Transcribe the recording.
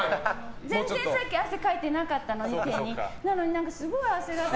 全然、さっき手に汗かいてなかったのにごめんね。